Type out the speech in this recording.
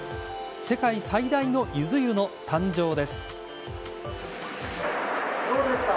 世界最大のゆず湯の誕生です。